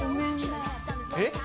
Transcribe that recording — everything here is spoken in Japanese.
えっ？